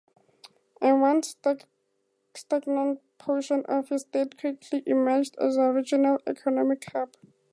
A once stagnant portion of his state quickly emerged as a regional economic hub.